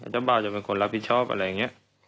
เจ้าบ่าวจะเป็นคนรับผิดชอบอะไรอย่างนี้